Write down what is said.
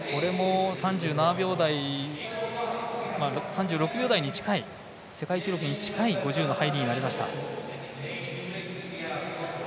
３６秒台に近い世界記録に近い５０の入りになりました。